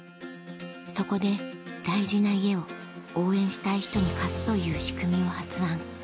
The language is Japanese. そこで大事な家を応援したい人に貸すという仕組みを発案